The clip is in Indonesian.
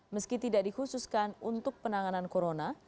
meski tidak dikhususkan untuk penanganan corona